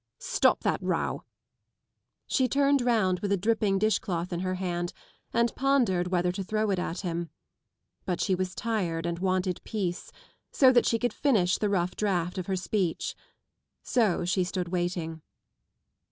" Stop that row." She turned round with a dripping dish cloth in her hand and pondered whether to throw it at him. But she was tired and wanted peace : so that she could finish the rough draft of her speech. So she stood waiting.